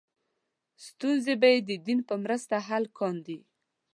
ستونزې به یې د دین په مرسته حل کاندې.